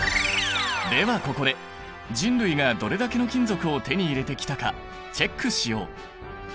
ではここで人類がどれだけの金属を手に入れてきたかチェックしよう！